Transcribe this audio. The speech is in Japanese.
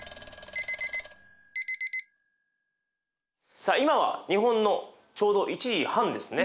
さあ今は日本のちょうど１時半ですね。